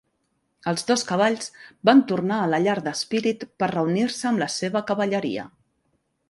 Els dos cavalls van tornar a la llar de Spirit per reunir-se amb la seva cavalleria.